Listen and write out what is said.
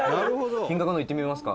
「金額の方いってみますか」